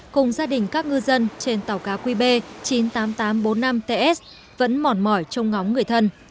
cùng gia đình các ngư dân trên tàu cá qb chín mươi tám nghìn tám trăm bốn mươi năm ts vẫn mòn mỏi trong ngóng người thân